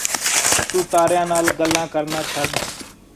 ਤੂੰ ਤਾਰਿਆਂ ਨਾਲ਼ ਗੱਲਾਂ ਕਰਨਾ ਛੱਡ